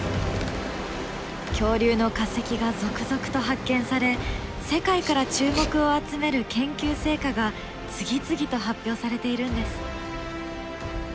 恐竜の化石が続々と発見され世界から注目を集める研究成果が次々と発表されているんです。